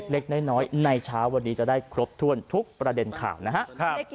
เล็กน้อยในเช้าวันนี้จะได้ครบถ้วนทุกประเด็นข่าวนะครับ